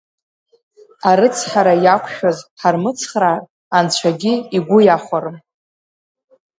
Арыцҳара иақәшәаз ҳармыцхраар Анцәагьы игәы иахәарым!